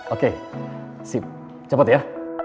oke sip cepat ya